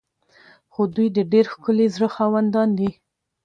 خو دوی د ډیر ښکلي زړه خاوندان دي.